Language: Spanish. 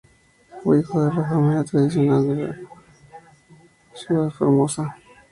Fue hijo de una familia tradicional de la ciudad de Formosa.